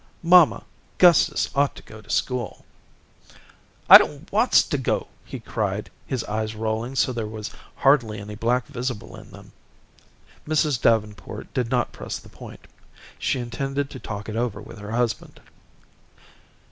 "Mamma, Gustus ought to go to school." "I don't wants to go," he cried, his eyes rolling so there was hardly any black visible in them. Mrs. Davenport did not press the point. She intended to talk it over with her husband.